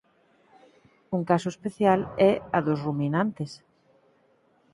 Un caso especial é a dos ruminantes.